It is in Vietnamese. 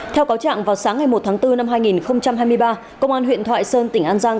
theo cáo trạng vào sáng ngày một tháng bốn năm hai nghìn hai mươi ba công an huyện thoại sơn tỉnh an giang